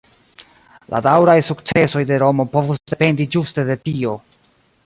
La daŭraj sukcesoj de Romo povus dependi ĝuste de tio.